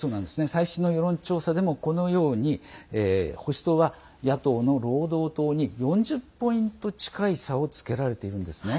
最新の世論調査でもこのように保守党は野党の労働党に４０ポイント近い差をつけられているんですね。